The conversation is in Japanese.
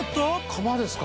窯ですか？